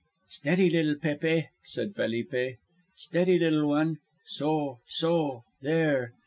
"Steady, little Pépe," said Felipe; "steady, little one. Soh, soh. There."